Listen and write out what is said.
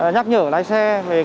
nhắc nhở lái xe